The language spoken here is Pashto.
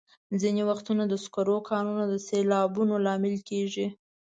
ځینې وختونه د سکرو کانونه د سیلابونو لامل کېږي.